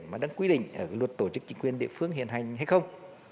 mà đang quy định ở luật tổ chức chính quyền địa phương hiện hành hay không